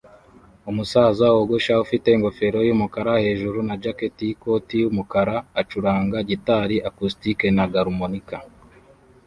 Umusaza wogosha ufite ingofero yumukara hejuru na jacket yikoti yumukara acuranga gitari acoustic na garmonica